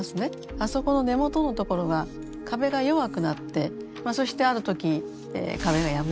あそこの根元の所が壁が弱くなってそしてある時壁が破れると。